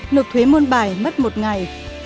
bảy nộp thuế môn bài mất một ngày